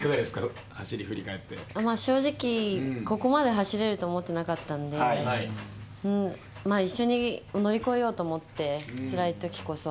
正直、ここまで走れると思ってなかったんで一緒に乗り越えようと思ってつらいときこそ。